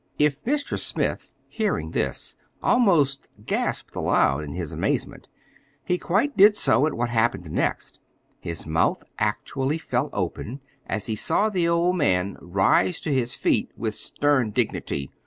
If Mr. Smith, hearing this, almost gasped aloud in his amazement, he quite did so at what happened next. His mouth actually fell open as he saw the old man rise to his feet with stern dignity.